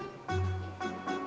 waktu itu saya ngomong begitu di pasar